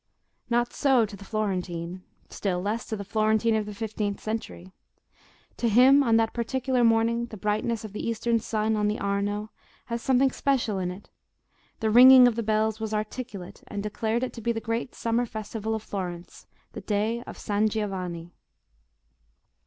Not so to the Florentine—still less to the Florentine of the fifteenth century: to him on that particular morning the brightness of the eastern sun on the Arno had something special in it; the ringing of the bells was articulate, and declared it to be the great summer festival of Florence, the day of San Giovanni.